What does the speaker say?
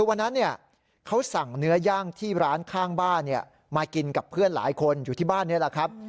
วันนั้นเขาสั่งเนื้อย่างที่ร้านข้างบ้านมากินกับเพื่อนหลายคนอยู่ที่บ้านนี้แหละครับ